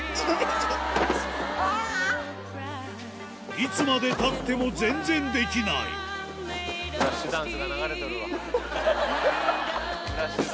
いつまでたっても全然できない『フラッシュダンス』が流れとるわ『フラッシュダンス』。